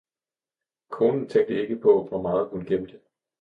konen tænkte ikke på hvor meget hun gemte.